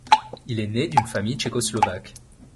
Il est né d'une famille tchécoslovaque.